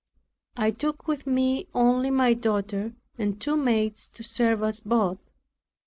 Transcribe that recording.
I took with me only my daughter, and two maids to serve us both.